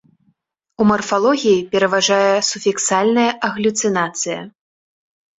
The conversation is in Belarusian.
У марфалогіі пераважае суфіксальная аглюцінацыя.